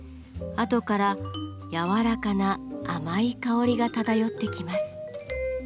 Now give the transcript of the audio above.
あとから柔らかな甘い香りが漂ってきます。